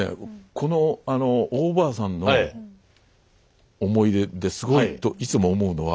このあの大おばあさんの思い出ってすごいいつも思うのは。